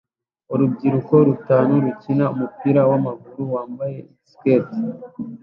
Urubyiruko rutanu rukina umupira wamaguru wambaye skates